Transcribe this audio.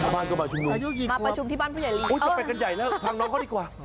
มาประชุมที่บ้านพั่วใหญ่รี